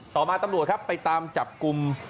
ต่อมาตำรวจครับไปตามจับกลุ่ม